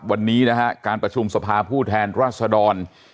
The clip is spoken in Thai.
วันนี้นะฮะการประชุมสภาผู้แทนรัศดร